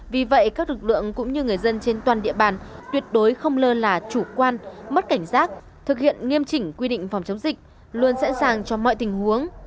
vì vậy các lực lượng cũng như người dân trên toàn địa bàn tuyệt đối không lơ là chủ quan mất cảnh giác thực hiện nghiêm chỉnh quy định phòng chống dịch luôn sẵn sàng cho mọi tình huống